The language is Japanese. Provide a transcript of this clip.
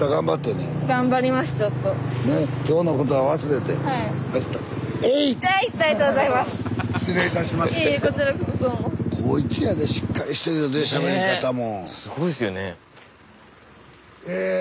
ねっすごいですよね。